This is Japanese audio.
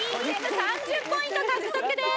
３０ポイント獲得です。